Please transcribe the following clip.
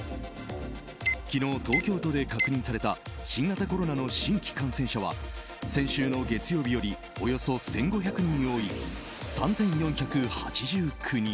昨日、東京都で確認された新型コロナの新規感染者は先週の月曜日よりおよそ１５００人多い３４８９人。